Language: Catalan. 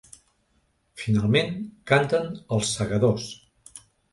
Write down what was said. Finalment canten ‘Els Segadors’.